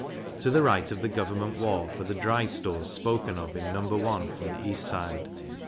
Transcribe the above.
To the right of the Government wharf are the Dry Stores spoken of in No. I. from the east side.